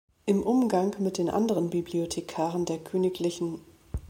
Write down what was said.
Im Umgang mit den anderen Bibliothekaren der Kgl.